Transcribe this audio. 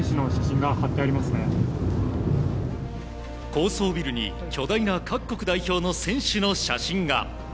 高層ビルに巨大な各国代表の選手の写真が。